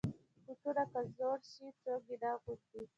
بوټونه که زوړ شي، څوک یې نه اغوندي.